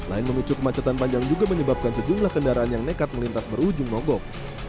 selain memicu kemacetan panjang juga menyebabkan sejumlah kendaraan yang nekat melintas berujung mogok